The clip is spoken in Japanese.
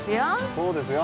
そうですよ